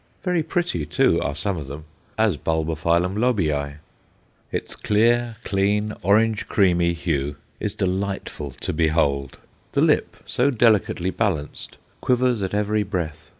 Very pretty too are some of them, as B. Lobbii. Its clear, clean, orange creamy hue is delightful to behold. The lip, so delicately balanced, quivers at every breath.